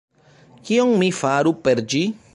Kion mi faru per ĝi?